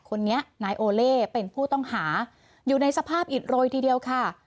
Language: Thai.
คนนี้นายโอเล่เป็นผู้ต้องหาอยู่ในสภาพอิดโรยทีเดียวค่ะ